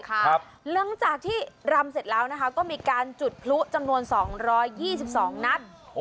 หลังจากที่รำเสร็จแล้วนะคะก็มีการจุดพลุจำนวน๒๒นัด